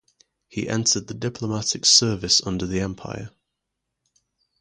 He entered the diplomatic service under the Empire.